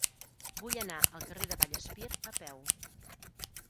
Vull anar al carrer de Vallespir a peu.